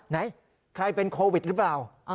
ไหนใครเป็นโควิดหรือเปล่า